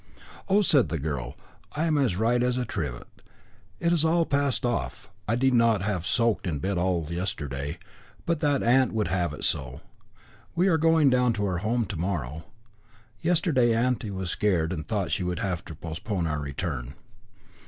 "Oh!" said the girl, "I am as right as a trivet. It has all passed off. I need not have soaked in bed all yesterday, but that aunt would have it so. We are going down to our home to morrow. Yesterday auntie was scared and thought she would have to postpone our return."